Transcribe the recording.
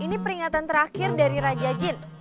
ini peringatan terakhir dari raja jin